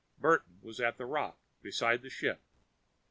Burton was at the rock, beside the ship.